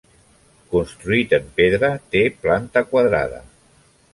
Construït en pedra, té planta quadrada.